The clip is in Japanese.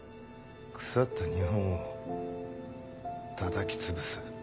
腐った日本をたたきつぶす。